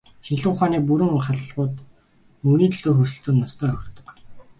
Шинжлэх ухааны бүрэг хандлагууд мөнгөний төлөөх өрсөлдөөнд ноцтой хохирдог.